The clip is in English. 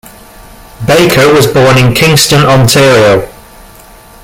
Baker was born in Kingston, Ontario.